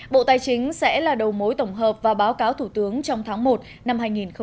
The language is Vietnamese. bộ tài chính sẽ là đầu mối tổng hợp và báo cáo thủ tướng trong tháng một năm hai nghìn hai mươi